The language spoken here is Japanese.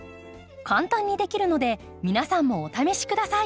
簡単にできるので皆さんもお試し下さい。